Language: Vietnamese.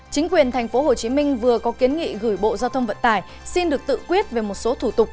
chính quyền tp hcm vừa có kiến nghị gửi bộ giao thông vận tải xin được tự quyết về một số thủ tục